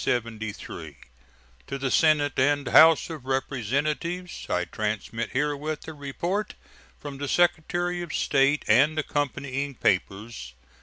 To the Senate and House of Representatives: I transmit herewith a report from the Secretary of State and accompanying papers.